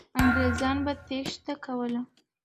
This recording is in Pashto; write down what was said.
انګریزان به تېښته کوله.